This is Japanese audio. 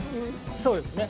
そうですね。